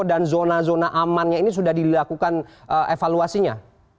dan zona zona amannya ini sudah dilakukan evaluasinya